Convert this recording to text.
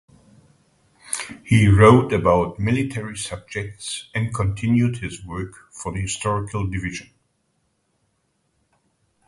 He wrote about military subjects and continued his work for the Historical Division.